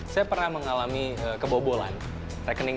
saya pernah mengalami kebobolan